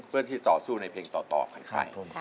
เพื่อที่ต่อสู้ในเพลงต่อค่ะคุณ